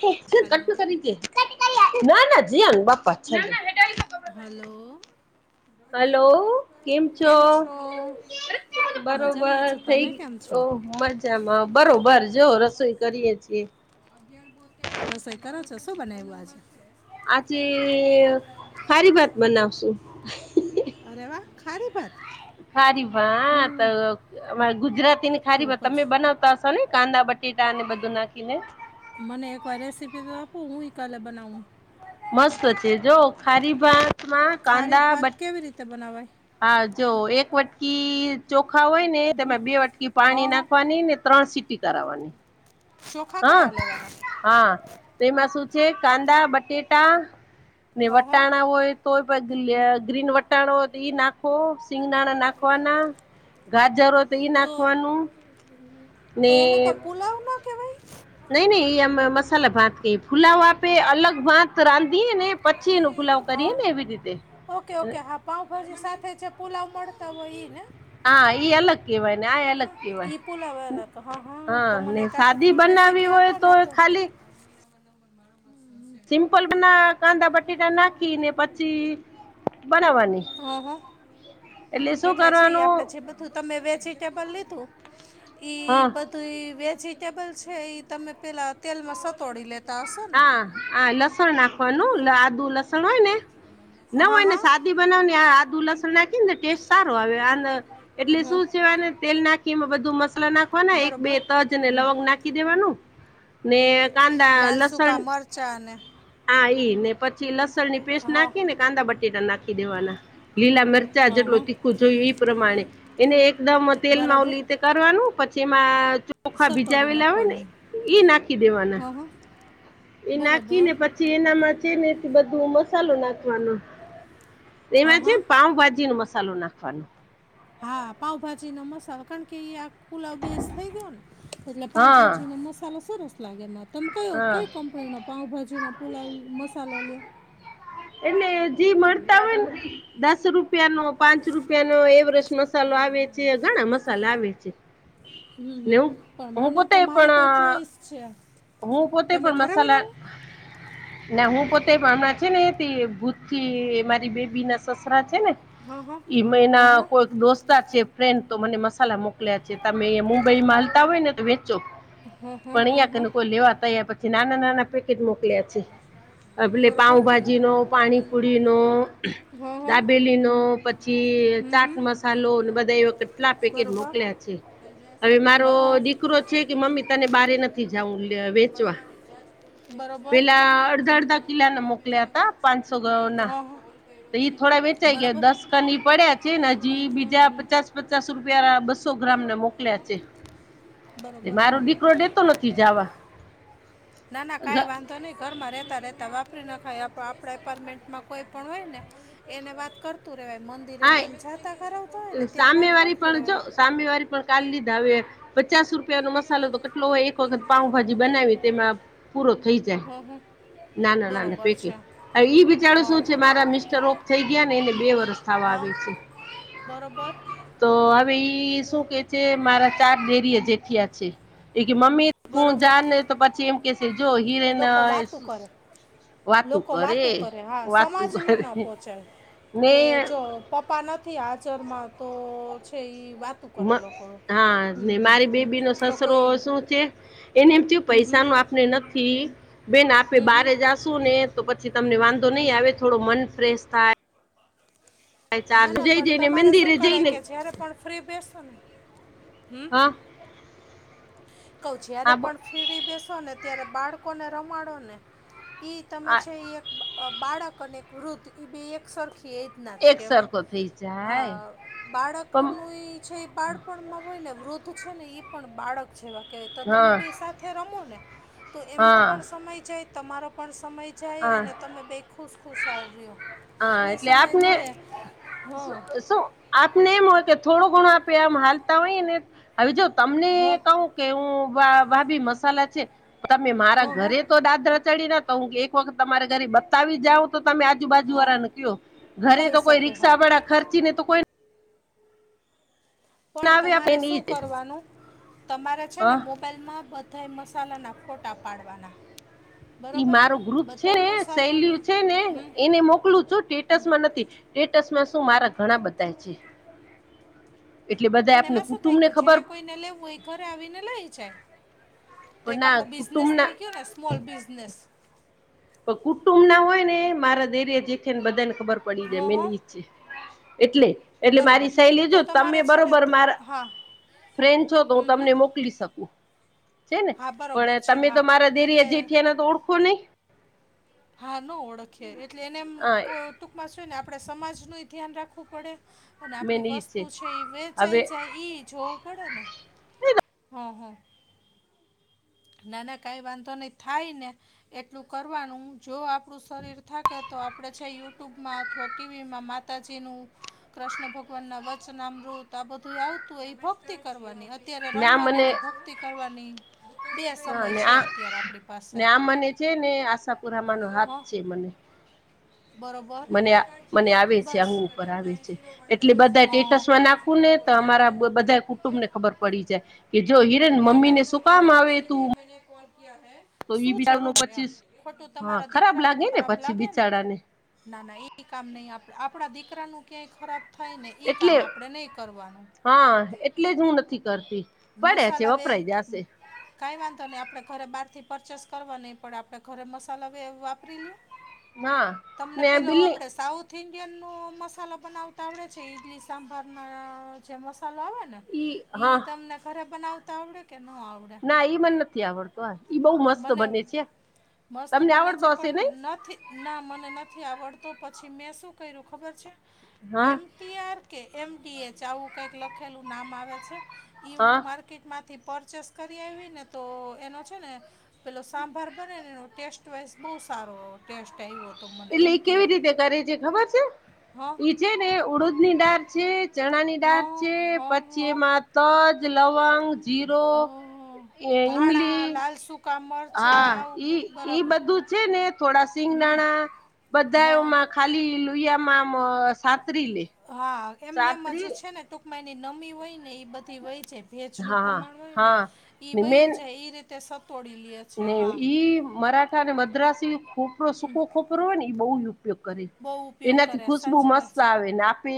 Cut hello કરી દે ના ના જીયાન બાપા છે હલો. હલો કેમ છો મજામાં બરોબર છું થઈ તમે કેમ છો. ઓહ મજામાં બરોબર જો રસોઈ કરીએ છીએ. રસોઈ કરો છો શું બનાયુ આજ. આજે ખારી ભાત બનાવશું અરે વાહ ખારી ભાત. ખારી ભાત હમ અ અમારી ગુજરાતી ને તો ખારી ભાત તમે પછી બનાવતા અને કાંદા બટેટાને બધું નાખીને. મને એકવાર રેસીપી તો આપું હું કાલે બનાવું. મસ્ત છે જો ખારી ભાત માં. ખારી ભાત કેવી રીતે બનાવાય. હા જો એક વટકી ચોખા હોય ને તમે બે વટકી હ પાણી હ નાખવાની ને. ત્રણ સીટી કરાવવાની. ચોખા હા કયા લેવાના હા તો એમાં શું છે કાંદા બટેટા ને હ હ વટાણા હોય તો પછી લે ગ્રીન વટાણા હોય તો એ નાખ. સિંગદાણા નાખવાના ગાજરો તે એ તો નાખવાનું. તો એને તો પુલાવ ના કેવાય. નહી નહી ઇ અમાર મસલા ભાત કે ફુલાવા પે અલગ ભાત રાંધધીએ ને. પછી એનો ફુલાવ કરીએ હા ને એવી રીતે. ઓકે ઓકે હા પાઉભાજી સાથે છે પુલાવ મળતા હોય ને ઇ ને. હા ઈ અલગ. કેવાય ને આ અલગ કેવાય ઈ પુલાવ અલગ હ હ હા તો ને મને એક આખી શાદી ફૂલ રેસીપી બનાવી આપો હોય તો ને ખાલી સિમ્પલ ના કાંદા બટેટા નાખી ને પછી બનાવાની હો હો. એટલે છે એ આપડે કરવાનું જે બધું તમે વેજીિટેબલ લીધું ઈ હા બધું. તો ઇ વેજીિટેબલ છે ઇ તમે પેલા તેલમાં સતોડી લે. હા હા લસણ ના. વાનું આદુ લસણ હોય ને ના હા હોય ને હા સાદી બનાવને આ આદુ લસણ નાખ. નાખી ને ટેસ્ટ સારો આવે આન એટલે હમ શું છે ચેવાય તેલ નાખ. બધું મસલા નાખવાના એક બે બરોબર તજ અને લોગ નાખી દેવાનું ને. કાંદા લાલ લસણ સૂકા મરચાં અને આ ઈ ને પછી લસણની પેસ્ટ હા નાખી. કાંદા બટેટા નાખી દેવાના લીલા મરચા હા જેટલું હા તીખું જોયું એ પ્રમાણે એને એકદમ તેલમાં ઓલી બરોબર રીતે કરવાનું પછી એમાં ચોખા સતોડી ભીજાવેલા હોય ને નાખવાનું ઈ નાખી દેવાના. હા હા એ નાખી બરોબર ને પછી એનામાં છે ને બધું મસાલો નાખવાનો. હા એમાં છે હા પાઉભાજી નો મસાલો નાખવાનો. હા પાઉભાજી નો મસાલો કારણ કે આ. પુલાવ બેસ્ટ થઈ ગયો ને એટલે હા પાઉભાજી નો મસાલો સરસ લાગે એમાં તમે કયો હા કઈ કંપનીનો પાઉભાજીનો પુલાવ મસાલો લ્યો. એને જી મળતા હોય ને દસ રૂપિયા નો. પાંચ રૂપિયા નો એવરેસ્ટ મસાલો આવે છે ઘણા મસાલા આવે છે. હમ હમ ને હું પણ હું મને તો પોતે મારી તો પણ ચોઈસ છે. હું પોતે તમે પણ ઘરે મસાલા બનાવો ના હું પોતે હમણાં છે ને એ ભૂત થી મારી બેબી ના સસરા છે ને હા હા એમાં એના હા હા કોઈક દોસ્તાર છે ફ્રેન્ડ તો મને મસાલા મોકલ્યા છે તમે અયા મુંબઈ માં હાલતા હોય ને તો વેચો હા હા પણ હા હા અહીંયા કોઈ લેવા તૈયાર નથી પછી નાના નાના પ મોકલ્યા છે એટલે બરોબર પાઉભાજી નો પાણીપુરી નો. હા હા દાબેલીનો પછી ચાટ મસાલો અને બધા એ કેટલાક પેકેટ અઠ્યાસી મોકલ્યા છે હવે મારો દીકરો છે કે મમ્મી તને બારે નથી. જ વેચવા થયું છે [inaudible] અડધા અડધા કિલા ના મોકલ્યા તા પાંચસો ના મેં તો ઇ થોડા વેચાઈ ગયા નંબરમાં દસ. ની પડ્યા છે હજી બીજા પચાસ. પચાસ રૂપિયા બસો ગ્રામને મોકલ્યા છે બરોબર મારો હા દીકરો દેતો નથી જવા ના ના કઈ વાંધો નહી ઘરમાં રહેતા રહેતા વાપરી નાખાય આપ આપણા એપાર્ટમેન્ટમાં કોઈ પણ હોય ને એને વાત કરતું રેવાય હા મંદિરેને એમ છતા કરાવતા હોય ને ત્યારે વાત કરતું રેવા સામે વારી પણ કા લીધ આવે પચાસ રૂપ ન મસાલો તો કેટલોય એક વખત પાઉભાજી બનાવી તેમાં પૂરો થઈ જાય હં હં નાના નાના બરોબર છે પેકિંગ ઈ બિચારો હા શું છે મારા મિસ્ટર ઓ થઈ ગયા ને એને બે વર્ષ થવા હા આવી છે બરોબર તો હવે ઈ શું કે છે મારા ચાર ડેરી જેઠિયા છે એ મમ્મી તું બરોબર જાન ને તો પછી એમ કહેશે જો હિરેન લોકો વાતું કરે વાતું લોકો વાતું કરે હા વાતું સમાજને નો કરે પોહોંચાય કે ને જો પપ્પા નથી હાજરમાં તો છે ઈ કરે લોકો હા હમ ને હમ મારી હમ બેબી નો તો સસરો કોઈ શું છે એને એમ થયું હમ હમ પૈસા ન આપને નથી બેન આપણે હમ બાર હમ હજાર જાસુ ને તો પછી તમને વાંધો નહી આવે થોડો મન ફ્રેશ થાય ચાર ના ના જઈ પણ જઈને તમારે મંદિરે શું કરાય જઈને કે જયારે પણ ફ્રી બેસો ને હમ્મ હા કહ જ્યારે હા બો પણ ફ્રી બેસો ને ત્યારે બાળકોને રમાડો ને ઈ તમે આ છે એ એક બાળક અને એક વૃદ્ધ ઈ બે એક સરખી એ ના જ એક સરખો થઈ કહેવાય જાય હા પણ બાળકનું ઈ છે એ બાળપણમાં હોય ને વૃદ્ધ છે ને એ પણ બાળક છે કે તો તમે હા બે સાથે રમો ને તો એમનો હા પણ સમય જાય તમારો પણ સમય જાય હા અને તમે બે ખુશખુશાલ રહ્યો હા ફ્રી એટલે સમય આપને મળે હા શું આપને એમ હોય કે થોડો ઘણો આપે આમ હાલતા હોય ને હવે જો તમને હ કવ હ કે હું ભાભી મસાલા છે તમે મારા હ ઘરે તો દાદર ચડી ના કે એક વખત તમારે ઘરે બતાવી જાવં તો તમે આજુ બાજુ હા વાળા કયો ઘરે કહી તો કોઈ શકું હા રિકષા વાળા ખર્ચી ને તો કોઈ પણ આવે તમારે આપેને શું ઈ જ કરવાનું તમારે છે ને હા મોબાઈલ મોબાઈલમાં બધા મસાલાના ફોટા પાડવાના ઈ બરોબર મારો ગ્રુપ છે બધાય ને શૈલીઓ મસાલાના છે ને હમ એને મોકલું છું સ્ટેટસ માં નથી સ્ટેટસમાં શું મારે ઘણા બધા છે એટલે બધા પણ આપને એમાં શું થઈ કુટુંબને ગયું જેને ખબર કોઈને લેવું હોઈ એ ઘરે આવીને લઈ જાય તો પણ એક ના આપડો બિઝનેસ કુટુંબના થઈ ગયો ને સ્મોલ બિઝનેસ પણ કુટુંબ ના હોય ને મારા દેરિયા જેઠીયા ને બધા ને ખબર પડી જાય હા મેઈન હા ઈ છે એટલે એટલે બરોબર મારી સહેલી જો તો તમે તમારે છે ને બરોબર ત- મારા હા ફ્રેન્ છો તો હું હમ હમ તમને મોકલી શકું છે ને હા પણ બરોબર છે તમે તો હા મારા દીરી એ એટલે જેઠીને તો ઓળખો નહી હા ન ઓળખએ એટલે એનેમ હા કો ટૂંકમાં છે ને આપણે સમાજનું ધ્યાન રાખવું પડે અને આપણી મેન ઈ વસ્તુ છે એ હવે વેચાઈ જાય જોવું પડે ને હં હં નાને કાંઈ વાંધો નહીં થાય ને એટલું કરવાનું જો આપણું શરીર થાકે તો આપણેે છે યુટ્યુબમાં અથવા ટીવીમાં માતાજી નું, કૃષ્ણ ભગવાન ના વચનામૃત આ બધું આવતું હોય ભક્ત ભક્તિ કરવાની અત્યારે રમવાની ને ભક્તિ કરવાની બે હ સમય ને છે આ અત્યારે આપણી પાસે ને આ મને છે ને આશાપુરામાનો હાથ હ છે મને બરોબર મને મને આવે છે અંગ ઉપર આવે છે એટલે બધા સ્ટેટસ નાખ નાખું ને તો અમારા બધા કુટુંબ ને ખબર પડી જાય કે જો હિરેન મમ્મીને શું કામ આવે જિસકે તું લિયે મેને કોલ કિયા હૈ તો ઈ શું બિચારું જરૂર નું છે પચીસ ખોટું હા તમારા ખરાબ દીકરાનું લાગે ને ખરાબ પછી લાગે ને. બિચારા ના ના ઈ કામ નહી આપડા દીકરાનું ક્યાંય ખરાબ થાય ને ઈ એટલે કામ આપણે નય કરવાનું. હા એટલે જ હું નથી કરતી. પડ્યા છે મસાલા વેહ વપરાય જશે કઈ વાંધો ની આપડે ઘરે બહાર થી પરચેસ કરવા ની પણ આપડે ઘરે મસાલા એવું વાપરી લીઓ. [inaudible] તમને ને પેલો બિલ્લી આપડે સાઉથ સાઉથ ઇન્ડિયનનો મસાલો બનાવતા આવડે છે ઇડલી સાંભારના જે મસાલો આવે ને. ઈ તમને ધરે બનાવતા આવડે કે નો આવડે. ના ઈ મને નથી આવડતું હા ઈ બો મસ્ત મને બને છે. મસ્ત તમને બને છે આવડતો હશે નઈ પણ નથી ના મને નથી આવડતો પછી મેં શું કર્યું ખબર છે હા એમ એમ ટી આર કે એમ ડી એચ આવું કઈક લખેલું નામ આવે છે એ હું હા માર માર્કેટ માંથી પરચેસ કરી આવી ને તો એનો છે ને પેલો સાંભાર બને ને ટેસ્ટવાઈઝ બો સારો ટેસ્ટ [unintelligible] હો તો એટલે ઈ કેવી રીતે કરે છે ખબર છે હા ઈ છે ને ઉડદ ની દાળ છે ચણા ની દાળ હં છે હં પછી હં એમાં તજ, લવંગ જીરો એવું ઈ સુ કામર હા ઈ ઈ બધું છે ને થોડા હમ સિંગદાણા હં બધામાં ખાલી લુહીયામાં આમ સાતરી લેય. હા એમને એમ જે છે ને ટૂંકમાંયની નમી હોય ને એ બધી વહી જાય. ભેજનું હા પ્રમાણ હોય ને હા એ ને મેન વયું જાય એ રીતે સતોડી લેય. ને ઈ મરાઠા અને મદ્રાસી ખોપરો સૂકો ખોપરો હોય ને ઈ બો ઉપયોગ કરે. બહુ ઉપયોગ એનાથી કરે ખુશબુ સાચી વાત મસ્ત છે આવે ને આપે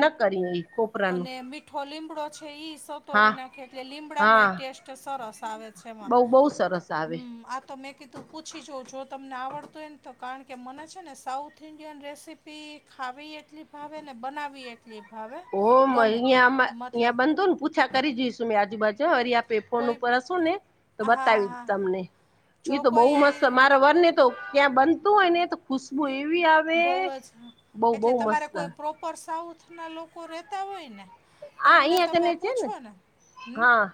ન કરી એ ખોપરાનું અને મીઠો લીમડો છે ઈ સોથ હા તોડી નાખે એટલે લીમડાનો હા એ ટેસ્ટ સરસ આવે છે એમાં બઉ બહુ સરસ આવે હમમ આ તો મેં કીધું તો પૂછી જોવ જો તમને આવડતું હોય ને તો કારણ કે મને છે ને સાઉથ ઇન્ડિયન રેસીપી ખાવી એટલી ભાવે ને, બનાવી એટલી ભાવે. ઓ ગમે અહંયા અં મતલબ બન ને પૂછા કરી જોઈશું મેં આજુબાજુ વરી આપડે ફોન કોઈ ઉપર હશું ને તો હા બતાવી હા તમને ઈ જો તો બો કોઈ મસ્ત મારા વર ને તો ક્યાં બનતું હોય ને ખુશબુ એવી આવે બહુ બો બો મસ્ત ઉપર સાઉથના લોકો રહેતા હોય ને એમને અહિયાં તમે કને છે પૂછો ને હમમ. હા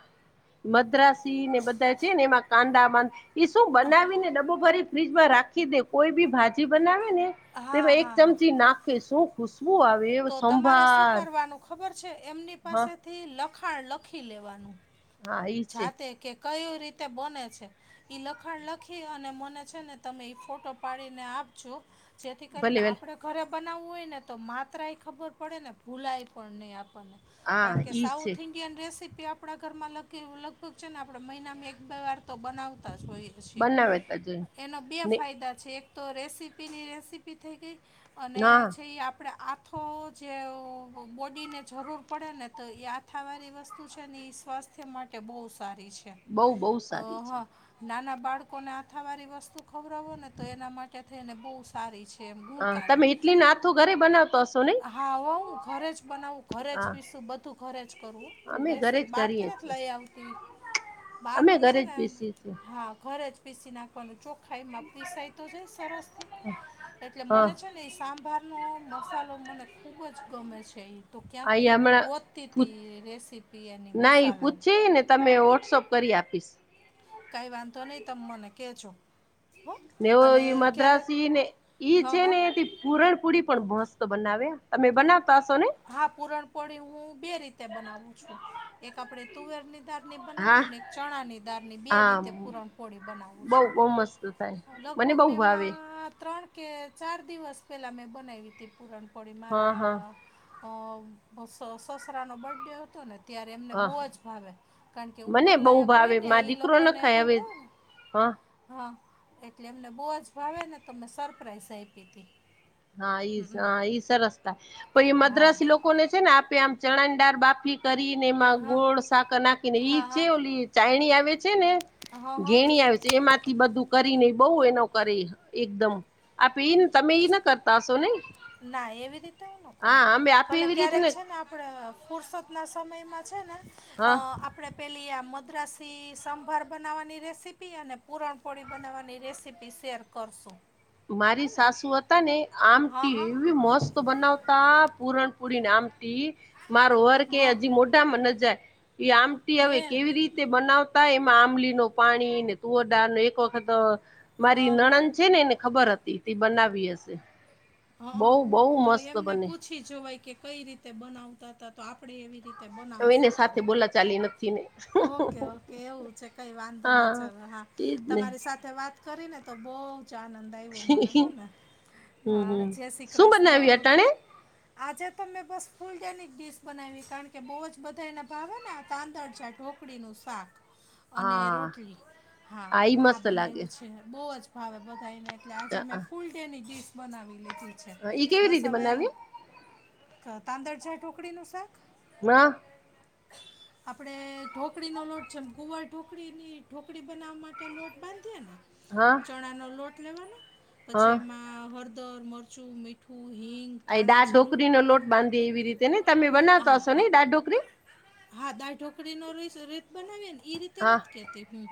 મદ્રાસી ને બધા છે ને એમાં કાંદા મા એ શું બનાવીને ડબો ભરી ફ્રીજમાં રાખી દે કોઈ બી ભાજી બનાવે ને તે હા એક હા હા ચમચી નાખે શું ખુશબુ આવે તો તમારે શું સંભાર કરવાનું ખબર છે. એમની હા પાસેથી લખાણ લખી લેવાનું. હા ઈ છે જાતે કે કયું રીતે બોને છે. ઈ લખાણ લખી અને મને છે ને તમે ફોટો પાડીને આપજો- જેથી ભલે કરીને ભલે આપડે- ઘરે બનાવવું હોય ને તો માત્રએ ખબર પડે ને ભૂલાય પણ નહીં આપણને- હા કારણ કે ઈ છે સાઉથ ઇન્ડિયન રેસીપી આપણા ઘરમાં લગ કે લગભગ છે ને આપડે મહિનામાં એક બે વાર તો બનાવતા જ હોઈએ. છે. બનાવે તજ એના બે ને ફાયદા છે એક તો રેસીપીની રેસીપી થઈ ગઈ. હા અને છીએ આપ આપણે આથો જે બોડીને જરૂર પડે ને તો એ આથાવાળી વસ્તુ વસ્તુ છેની સ્વાસ્થ્ય માટે બો સારી છે બઉ બહુ અ સારી છે હા. નાના બાળકોને હાથા વાળી વસ્તુ ખવરવો ને તો એના માટે થઈને બહુ સારી છે. હા ગુણકારી તમે ઈટલીને આથું ઘરે બનાવતો હશો નહી હા હું ઘરે જ બનાવ- ઘરે જ હા પીસું બધું ઘરે જ કરવું હું અમે ઘરે રેસીપ જ બહાર કરીએ થી નથી- છીએ લઈ આવતી બાર અમે થી ઘરે છે જ ને પીસીએ છીએ હા ઘરે જ- પીસી નાખવાનું ચોખ્ખા એમાં પીસાય તો જાય સરસ થી એટલે હા મને છે ને- સાંભારનો મસાલો મને ખૂબ જ ગમે છે. ઈ- તો આ ક્યાંકથી હું હમણાં ગોતી પૂ તી રેસીપી એની ના મસ એ પૂછી ને તમે વોટ્સોઅપ કરી આપીશ. કઈ વાંધો નહી તમ મને કે જો. નેવ મદ્રાસી ને ઈ હા છે હા ને તી પુરણપુરી પણ મસ્તો બનાવે તમે બનાવતા હશો ને હા પુરણપોળી હું બે રીતે બનાવું છું એક આપડે તુવેરની દાળ- ની હા બનાવું ને એક ચણાની દાળ ની બે હા રીતે પુરણપોળી બનાવું બઉ છું. બહુ મસ્ત થાય મને લગભગ બહુ મેં ભાવે હમણાં ત્રણ- કે ચાર દિવસ પહેલાં મેં બનાવી હતી પૂરણપોળી હા હા મારા- અ સસરાનો બર્થ ડે હતો ને- ત્યારે એમને હા બહુ જ ભાવે કારણ કે મને બહુ ઉંમરલાયક હોય ભાવે ને મા એ દીકરો ન લોકોને ખાય બહુ હવે ભાવે ને. હા હા એટલે એમને બહુ જ ભાવે ને તો મેં સરપ્રાાઈઝ આઈપી હતી. હા ઈ હ હમ ઈ સરસતા પઈ હા મદ્રાસી લોકોને છે ને આપે આમ ચણાણદાર બાફી- કરીને એમાં હા ગોળ શાકર નાખીને ઈ હા હા ચે હા ઓલી ચાયણી આવે- છે ને હા હા ગેણી આવે છે એમાંથી બધું- કરીને બહુ એનો કરી એકદમ આપે ઈન તમે ના કર- ના એવી રીતે હું ન કરું હા અમે આપે ભલે એવી રીતે ક્યારેક છે ને આપડ- ફુરસદના સમયમાં છે ને અ હા આપ- આપણે પેલી આ મદ્રાસી સંભાર બનાવવાની રેસીપી અને પૂરણપોળી બનાવવાની રેસીપી શેર- કરશો. મારી સાસુ હતા ને આમ તિ હા હા એવી મસ બનાવતા પૂરણપુરી નામ થી મારો વર કે હા હજી મોઢામાં નજાય- એ આમટી હવે એ કેવી રીતે બનાવ- એમાં આંબલી નો પાણી ને તુવરદાળ નો એક વખત મારી હા હા નણંદ છે નેને- ખબર હતી તી બનાવી હશે. બહુ હા બહુ તો મસ્ત એમને બને પૂછી જોવાય કે કઈ રીતે બનાવતા હતા તો આપડે એવી રીત હવે એને સાથે બોલા ચાલી નથી ને- ઓકે ઓકે એવું છે કઈ વાંધો નહી હા ચલ હા તેજ ને તમારી સાથ વાત કરી ને તો બોઉ- ચા નંદ આઈવો હો ને હમ હા હમ જે શ્રી શું બનાવ્યું કૃષ્ણ- અટાણે આજે તો મેં બસ ફૂલડેનિક ડિશ બનાઈવી કારણ કે બૌ જ બધા એના ભાવે ને તાંદળ જાડ ઢોકળીનું શાક અને હા રોટલી હા ઈ આ મસ્ત લાગે બનાઈવુ છે બહુ જ- હાવ બધાને એટલે આજે મેં હા ફૂલ ડે ની ડીશ બનાવી લીધી ઈ કેવી બસ રીતે હવે બનાવી તાંદળ છે. ઢોકળી નું શાક. મા આપડે- ઢોકળીનો લોટ છે એમ કુંવાર ઢોકળીની ઢોકળી બનાવવા માટે લોટ બાંધીએ ને- હા ચણા નો લોટ લેવાનો હા પછી એમાં હળદર, મરચું, મીઠું, હિંગ- આ ધાણા જીરું દાઢોકરી નો લોટ બાંધી એવી રીતે ને તમે આ બનાવતા હશો હા ને દાળઢોકરી- હા દાળ ઢોકળી નો રઈશ રીત બનાવી ને ઈ રીત- તે હા નથ કેતી હું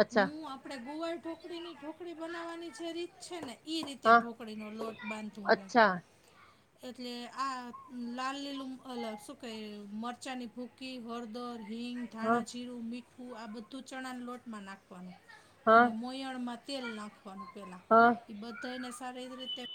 અચ્છા આપણે ગોવાર ઢોક ઢોકડી ની ઢોકળી બનાવવાની જે રીત છે. ને- એઈ રીતે હા ઢોકળીનો લોટ બાંધુ હું અચ્છા એટલે આ લાલ લીલું અલા શું કહે મરચાંની ભૂકી, હળદર, હિંગ હા ધાણા, જીરું, મીઠું આ બધું ચણાને લોટમાં નાખવાનું હા અને મોયણમાં તેલ નાખવાનું પહેલાં હા બત સાર રીતે